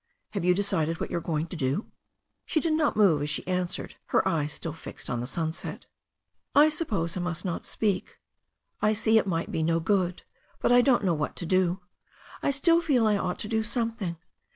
"Have you decided what you are going to" do?" She did not move as she answered, her eyes still fixed on the sunset: "I suppose I must not speak — I sec it might be no good— but I don't know what to do. I still feel I ought to do some thing.